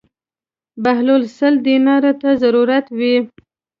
بهلول سل دینارو ته ضرورت و.